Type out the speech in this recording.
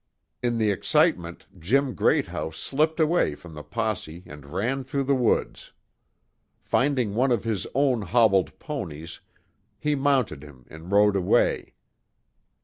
In the excitement, Jim Greathouse slipped away from the posse and ran through the woods. Finding one of his own hobbled ponies, he mounted him and rode away.